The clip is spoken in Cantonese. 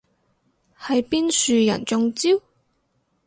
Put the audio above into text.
係邊樹人中招？